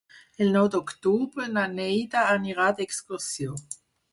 El nou d'octubre na Neida anirà d'excursió.